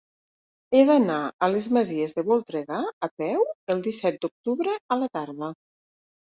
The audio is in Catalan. He d'anar a les Masies de Voltregà a peu el disset d'octubre a la tarda.